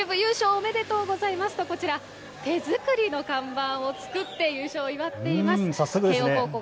おめでとうございますとこちら手作りの看板を作って優勝を祝っています。